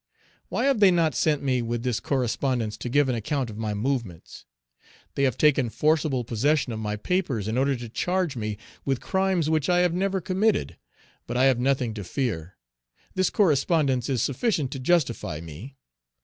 Why have they not sent me with this correspondence to give an account of my movements? They have taken forcible possession of my papers in order to charge me with crimes which I have never committed; but I have nothing to fear; this correspondence is sufficient to justify me.